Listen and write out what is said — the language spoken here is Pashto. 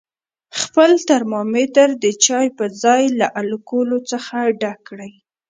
خپل ترمامتر د چای په ځای له الکولو څخه ډک کړئ.